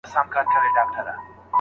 د فامیل اجتماعي سلیقې پټول ښه کار نه دی.